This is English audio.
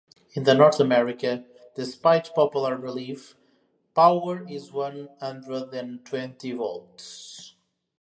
In North America, despite popular belief, power is one hundred and twenty volts.